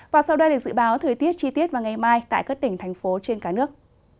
và sau đây là dự báo thời tiết chi tiết vào ngày mai tại các tỉnh thành phố trên cả nước